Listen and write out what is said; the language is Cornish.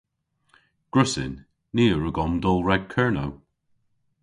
Gwrussyn. Ni a wrug omdowl rag Kernow.